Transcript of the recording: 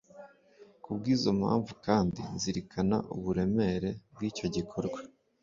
Ku bw’izo mpamvu kandi nzirikana uburemere bw’icyo gikorwa